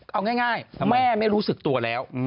เอาง่ายแม่ไม่รู้สึกตัวแล้ว